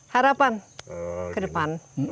harapan ke depan